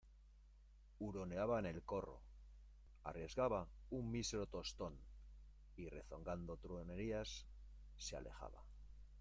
huroneaba en el corro, arriesgaba un mísero tostón , y rezongando truhanerías se alejaba.